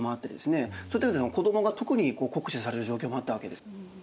そういったような子どもが特に酷使される状況もあったわけです。